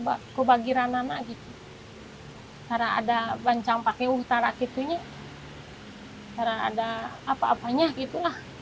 baku bagiran anak anak karena ada bancaung pakai utara kitunya karena ada apa apanya gitu lah